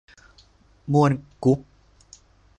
ม่วนกุ๊บ